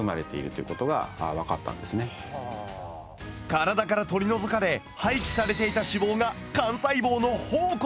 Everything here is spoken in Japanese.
体から取り除かれ廃棄されていた脂肪が幹細胞の宝庫だったのだ。